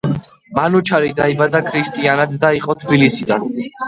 მანუჩარი დაიბადა ქრისტიანად და იყო თბილისიდან.